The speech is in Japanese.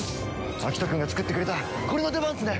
アキトくんが作ってくれたこれの出番っすね！